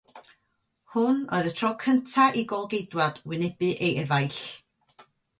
Hwn oedd y tro cyntaf i gôl-geidwad wynebu ei efaill.